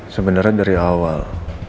sebenarnya dari awal